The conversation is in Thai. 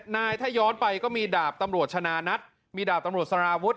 นายถ้าย้อนไปก็มีดาบตำรวจชนะนัทมีดาบตำรวจสารวุฒิ